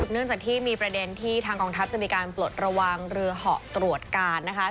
เนื่องจากที่มีประเด็นที่ทางกองทัพจะมีการปลดระวังเรือเหาะตรวจการนะคะ